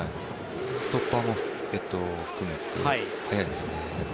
ストッパーも含めて速いですね。